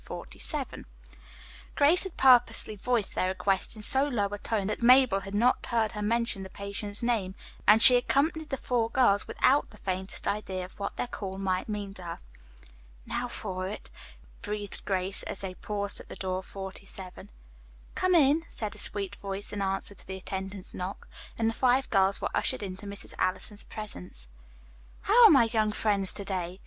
Grace had purposely voiced their request in so low a tone that Mabel had not heard her mention the patient's name, and she accompanied the four girls without the faintest idea of what their call might mean to her. "Now for it," breathed Grace, as they paused at the door of 47. "Come in," said a sweet voice, in answer to the attendant's knock, and the five girls were ushered into Mrs. Allison's presence. "How are my young friends, to day!"